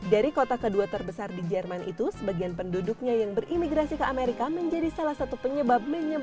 dari kota kedua terbesar di jerman itu sebagian penduduknya yang berimigrasi ke amerika menjadi salah satu penyebabnya